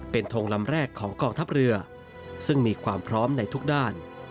เป็นทงลำแรกของกองทัพเรือซึ่งมีความพร้อมในทุกด้าน